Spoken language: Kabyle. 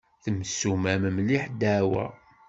Temsumam mliḥ ddeɛwa.